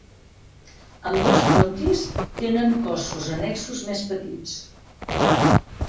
Ambdós frontis tenen cossos annexos més petits.